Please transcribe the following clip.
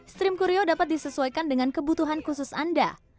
stream kuryo dapat disesuaikan dengan kebutuhan khusus anda